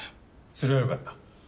それはよかった。